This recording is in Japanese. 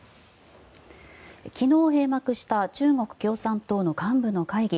昨日閉幕した中国共産党の幹部の会議